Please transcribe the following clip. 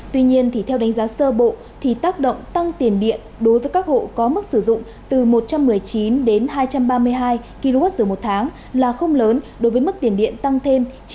tuy nhiên theo đánh giá sơ bộ thì tác động tăng tiền điện đối với các hộ có mức sử dụng từ một trăm một mươi chín đến hai trăm ba mươi hai kwh một tháng là không lớn đối với mức tiền điện tăng thêm